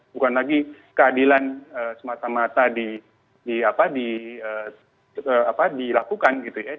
bukan lagi keadilan semata mata dilakukan gitu ya